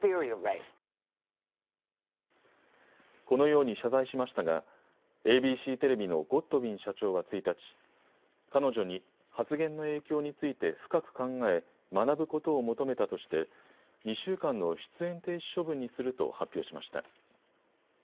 このように謝罪しましたが、ＡＢＣテレビのゴッドウィン社長は１日、彼女に発言の影響について深く考え学ぶことを求めたとして、２週間の出演停止処分にすると発表しました。